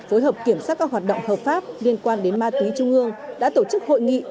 phối hợp kiểm soát các hoạt động hợp pháp liên quan đến ma túy trung ương đã tổ chức hội nghị